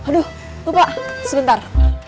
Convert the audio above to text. aduh lupa sebentar